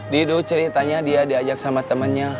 didu ceritanya dia diajak sama temennya